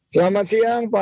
selamat siang pak